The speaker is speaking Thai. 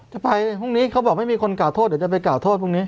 จะไปพรุ่งนี้เขาบอกไม่มีคนกล่าวโทษเดี๋ยวจะไปกล่าวโทษพรุ่งนี้